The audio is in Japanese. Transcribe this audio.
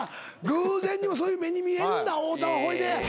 偶然にもそういう目に見えるんだ太田はほいで。